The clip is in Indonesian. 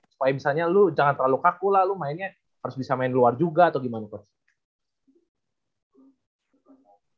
supaya misalnya lu jangan terlalu kaku lah lu mainnya harus bisa main di luar juga atau gimana coach